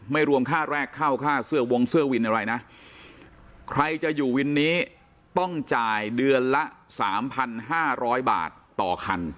รวมค่าแรกเข้าค่าเสื้อวงเสื้อวินอะไรนะใครจะอยู่วินนี้ต้องจ่ายเดือนละ๓๕๐๐บาทต่อคัน